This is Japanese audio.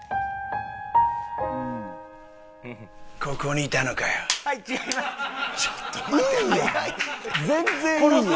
ここにいたのかよぉ。